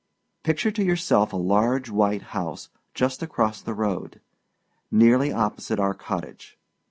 Picture to yourself a large white house just across the road, nearly opposite our cottage.